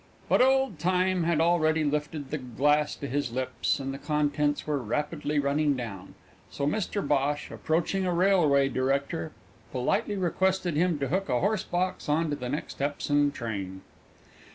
But old Time had already lifted the glass to his lips, and the contents were rapidly running down, so Mr Bhosh, approaching a railway director, politely requested him to hook a horse box on to the next Epsom train.